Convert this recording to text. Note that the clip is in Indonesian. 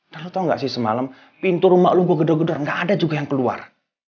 dan lo tau gak sih semalam pintu rumah lo gue gedor gedor gak ada juga yang keluar